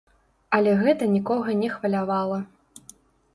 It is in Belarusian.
Але гэта нікога не хвалявала.